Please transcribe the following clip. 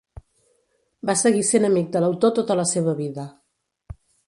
Va seguir sent amic de l'autor tota la seva vida.